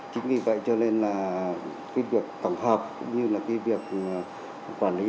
chính vì vậy cho nên là cái việc tổng hợp cũng như là cái việc quản lý